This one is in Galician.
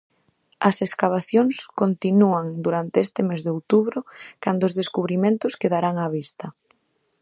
As escavacións continúan durante este mes de outubro, cando os descubrimentos quedarán á vista.